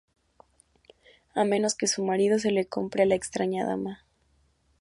A menos que su marido se la compre a la extraña dama.